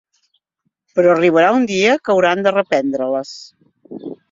Però arribarà un dia que hauran de reprendre-les.